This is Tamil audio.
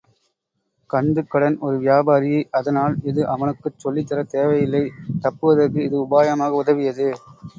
கந்துக்கடன் ஒரு வியாபாரி, அதனால் இது அவனுக்குச் சொல்லித் தரத் தேவை இல்லை தப்புவதற்கு இது உபாயமாக உதவியது.